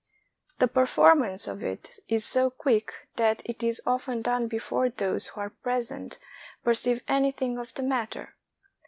The perform ance of it is so quick that it is often done before those who are present perceive anything of the matter.